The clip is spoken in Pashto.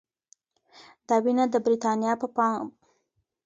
دا وینه د بریتانیا په بانکونو کې خوندي ده.